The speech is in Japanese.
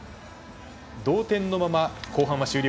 同点のまま後半は終了。